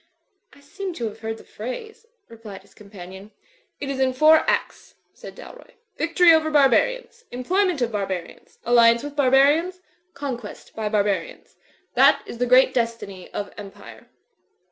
"I seem to have heard the phrase/' replied his com panion. "It is in four acts," said Dalroy. "Victory over barbarians. Employment of barbarians. Alliance; with barbarians. Conquest by barbarians. That is the great destiny of Empire."